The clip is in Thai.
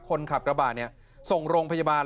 คนขับกระบะเนี่ยส่งโรงพยาบาล